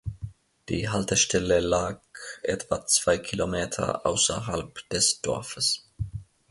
Die Haltestelle lag etwa zwei Kilometer außerhalb des Dorfes.